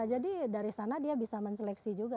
jadi dari sana dia bisa menseleksi juga kan